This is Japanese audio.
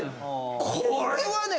これはね。